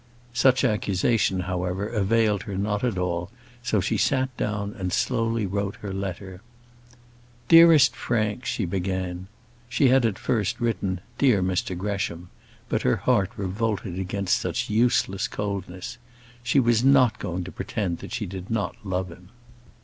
Such accusation, however, availed her not at all, so she sat down and slowly wrote her letter. "Dearest Frank," she began. She had at first written "dear Mr Gresham;" but her heart revolted against such useless coldness. She was not going to pretend she did not love him.